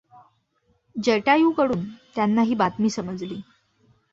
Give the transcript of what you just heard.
जटायूकडून त्यांना ही बातमी समजली.